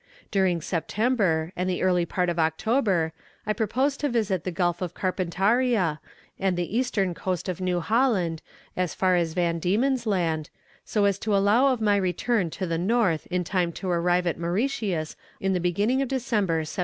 During September, and the early part of October, I propose to visit the Gulf of Carpentaria, and the eastern coast of New Holland, as far as Van Diemen's Land, so as to allow of my return to the north in time to arrive at Mauritius in the beginning of December, 1788."